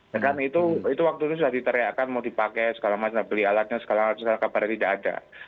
dan kan itu waktu itu sudah diteriakan mau dipakai sekalian masih beli alatnya sekalian kabarnya tidak ada